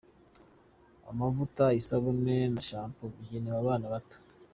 Amavuta isabune na champoo bigenewe Abana bato.